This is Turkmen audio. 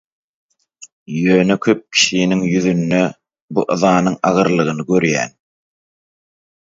Ýöne köp kişiniň ýüzünde bu yzanyň agyrlygyny görýän.